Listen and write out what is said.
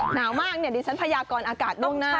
หนาวมากดิฉันพยากรอากาศตรงหน้า